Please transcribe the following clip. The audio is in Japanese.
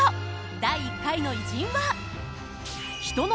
第１回の偉人は。